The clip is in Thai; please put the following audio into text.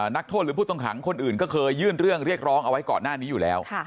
นักโทษหรือผู้ต้องขังคนอื่นก็เคยยื่นเรื่องเรียกร้องเอาไว้ก่อนหน้านี้อยู่แล้ว